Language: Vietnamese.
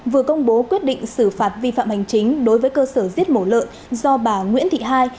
vừa công bố quyết định xử phạt vi phạm hành chính đối với cơ sở giết mổ lợn do bà nguyễn thị hai